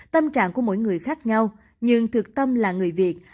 tâm trạng của mỗi người khác nhau nhưng thực tâm là người việt